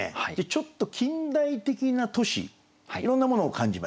ちょっと近代的な都市いろんなものを感じました。